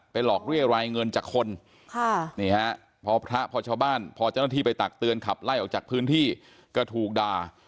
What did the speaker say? หลอกเรียรายเงินจากคนพอพระพอชาวบ้านพอเจ้าหน้าที่ไปตักเตือนขับไล่ออกจากพื้นที่ก็ถูกด่า